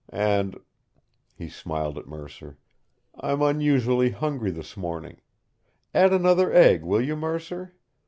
And" he smiled at Mercer "I'm unusually hungry this morning. Add another egg, will you, Mercer?